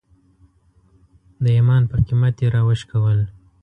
د ایمان په قیمت یې راوشکول.